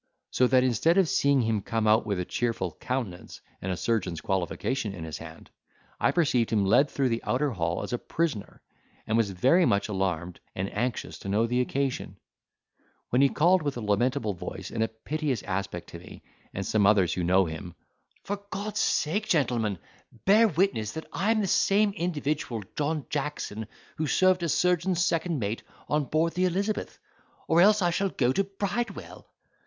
So that instead of seeing him come out with a cheerful countenance, and a surgeon's qualification in his hand, I perceived him led through the outer hall as a prisoner; and was very much alarmed, and anxious to know the occasion; when he called with a lamentable voice, and a piteous aspect to me, and some others who know him, "For God's sake, gentlemen bear witness that I am the same individual John Jackson who served as surgeon's second mate on board the Elizabeth, or else I shall go to Bridewell!"